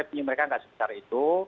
tapi mereka tidak sebesar itu